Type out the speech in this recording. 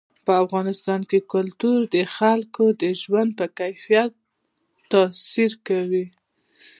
په افغانستان کې کلتور د خلکو د ژوند په کیفیت تاثیر کوي.